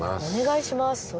お願いします。